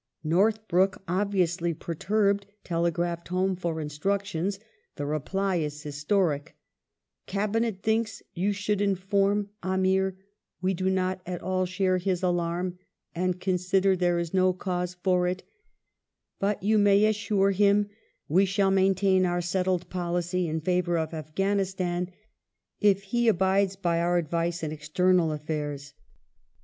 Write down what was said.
^^ Northbrook, obviously perturbed, telegraphed home for instructions. Ihe reply is historic: "Cabinet thinks you should inform Amir we do not at all share his alarm and consider there is no cause for it, but you may assure him we shall maintain our settled policy in favour of Afghanistan if he abides by our advice in external aflPaii s